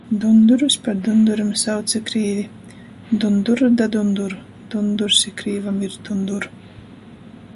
Dundurus par dundurim sauc i krīvi. Dundur, da dundur. Dundurs i krīvam ir dundur.